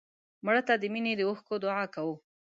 مړه ته د مینې د اوښکو دعا کوو